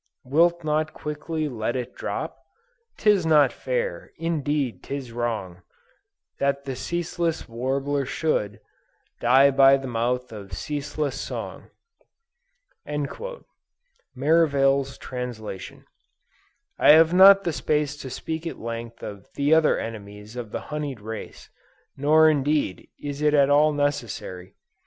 Wilt not quickly let it drop? 'Tis not fair, indeed 'tis wrong, That the ceaseless warbler should Die by mouth of ceaseless song." Merivale's Translation. I have not the space to speak at length of the other enemies of the honied race: nor indeed is it at all necessary.